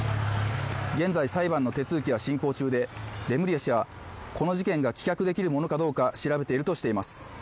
現在裁判の手続きが進行中でレムリヤ氏はこの事件が棄却できるものかどうか調べているとしています